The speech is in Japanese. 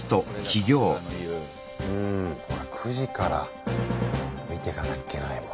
９時から見ていかなきゃいけない。